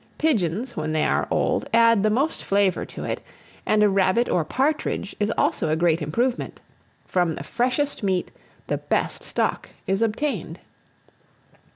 Pigeons, when they are old, add the most flavour to it; and a rabbit or partridge is also a great improvement. From the freshest meat the best stock is obtained.